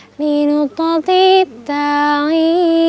lalu dikutuk di tangi